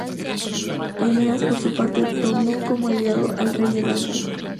Eneas, por su parte, tomó como aliado al rey Evandro.